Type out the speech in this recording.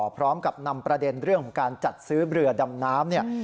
พร้อมกับประเด็นเรื่องการจัดซื้อเรือดำน้ำ